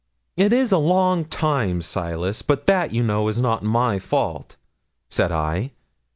'"It is a long time, Silas; but that, you know, is not my fault," said I.